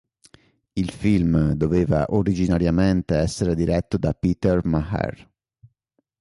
Il film doveva originariamente essere diretto da Peter Maher.